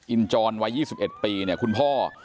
อินจรวัย๒๑ปีเนี่ยคุณพ่อ